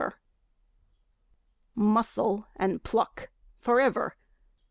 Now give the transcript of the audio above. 4 Muscle and pluck forever!